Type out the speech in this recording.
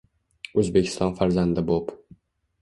O‘zbekiston farzandi bo‘p